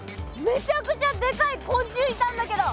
めちゃくちゃでかい昆虫いたんだけど！